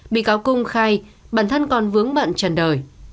bị cáo cung khai bản thân còn vướng mận trần đời